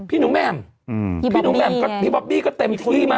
พี่นุ่มแหม้มพี่บอบมี่มีที่